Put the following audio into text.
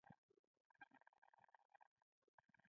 له مرګ مه ډاریږئ ، مرګ به ختمن درته راځي